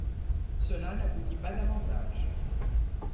Cela n'aboutit pas davantage.